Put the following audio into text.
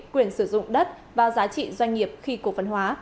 quyền sử dụng đất vào giá trị doanh nghiệp khi cổ phân hóa